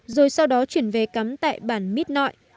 rồi sau đó chuyển về cắm tại bản mít nội